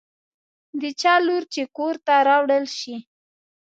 د چا لور چې کور ته راوړل شي.